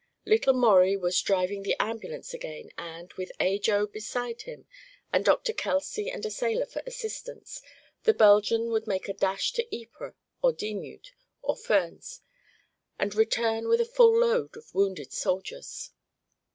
Little Maurie was driving the ambulance again and, with Ajo beside him and Dr. Kelsey and a sailor for assistants, the Belgian would make a dash to Ypres or Dixmude or Furnes and return with a full load of wounded soldiers.